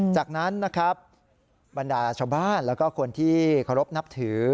จากนั้นนะครับบรรดาชาวบ้านแล้วก็คนที่เคารพนับถือ